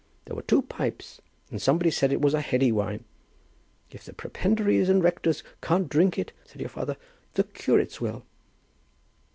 There were two pipes, and somebody said it was a heady wine. 'If the prebendaries and rectors can't drink it,' said your father, 'the curates will.'"